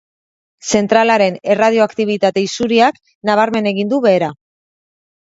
Zentralaren erradioaktibitate isuriak nabarmen egin du behera.